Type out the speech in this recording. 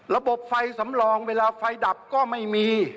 ระบบไฟสำรองเวลาไฟดับก็ไม่มี